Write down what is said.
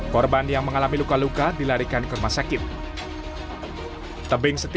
korban yang mengalami luka luka dilarikan ke rumah sakit